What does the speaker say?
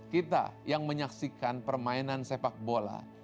kita yang menyaksikan permainan sepak bola